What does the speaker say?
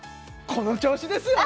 この調子ですよ！